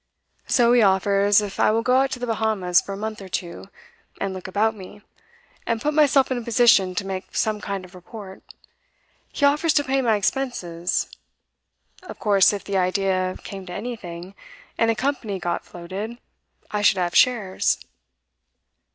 So he offers, if I will go out to the Bahamas for a month or two, and look about me, and put myself in a position to make some kind of report he offers to pay my expenses. Of course if the idea came to anything, and a company got floated, I should have shares.